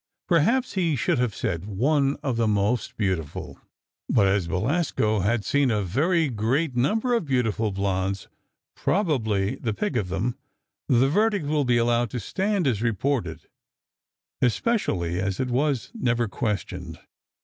Perhaps he should have said: "One of the most beautiful." But as Belasco had seen a very great number of beautiful blondes—probably the pick of them—the verdict will be allowed to stand as reported, especially as it was never questioned.